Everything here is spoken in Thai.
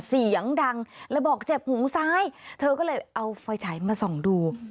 เสียงดังแล้วบอกเจ็บหูซ้ายเธอก็เลยเอาไฟฉายมาส่องดู